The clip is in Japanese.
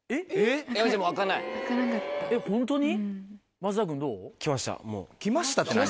松田君どう？